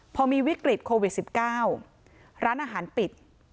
พอมีวิกฤตโควิดสิบเก้าร้านอาหารปิด